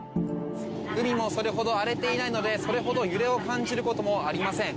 海もそれほど荒れていないのでそれほど揺れを感じることもありません。